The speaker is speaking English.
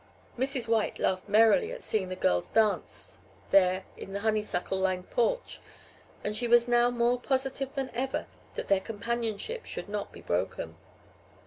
Mrs. White laughed merrily at seeing the girls dance there in the honeysuckle lined porch, and she was now more positive than ever that their companionship should not be broken.